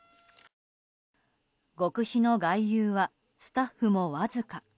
極秘の外遊はスタッフもわずか。